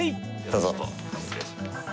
どうぞ。